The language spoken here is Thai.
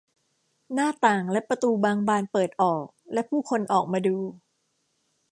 หน้าต่างและประตูบางบานเปิดออกและผู้คนออกมาดู